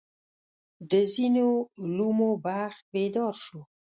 د ځینو علومو بخت بیدار شو.